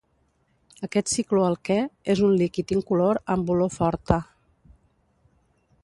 Aquest cicloalquè és un líquid incolor amb olor forta.